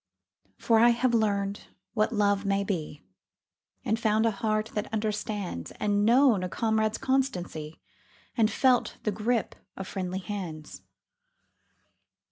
32 BETTER FAR TO PASS AWAY 33 For I have learned what love may be, And found a heart that understands, And known a comrade's constancy, And felt the grip of friendly hands.